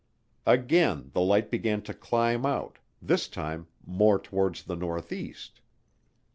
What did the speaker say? Again the light began to climb out, this time more toward the northeast.